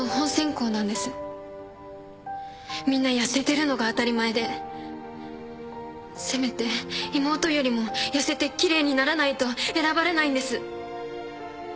みんな痩せてるのが当たり前でせめて妹よりも痩せて奇麗にならないと選ばれないんです。